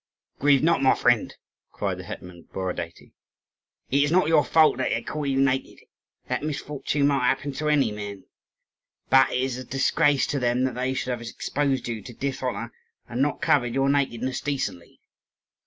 "Grieve not, friend," cried the hetman Borodaty. "It is not your fault that they caught you naked: that misfortune might happen to any man. But it is a disgrace to them that they should have exposed you to dishonour, and not covered your nakedness decently."